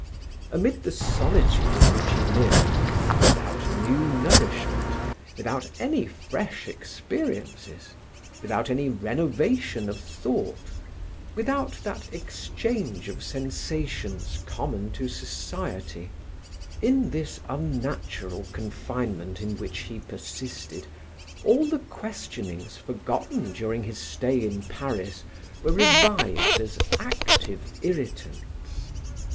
Amid the solitude in which he lived, without new nourishment, without any fresh experiences, without any renovation of thought, without that exchange of sensations common to society, in this unnatural confinement in which he persisted, all the questionings forgotten during his stay in Paris were revived as active irritants.